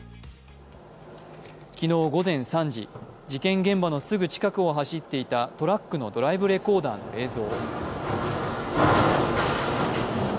昨日午前３時、事件現場のすぐ近くを走っていたトラックのドライブレコーダーの映像。